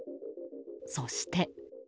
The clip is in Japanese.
そして。